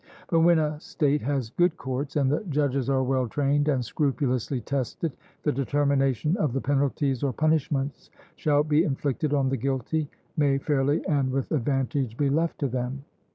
But when a state has good courts, and the judges are well trained and scrupulously tested, the determination of the penalties or punishments which shall be inflicted on the guilty may fairly and with advantage be left to them.